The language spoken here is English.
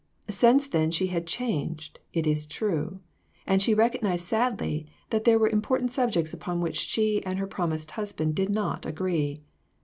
Since then she had changed, it is true ; and she recognized sadly that there were important subjects upon which she and her prom ised husband did not agree.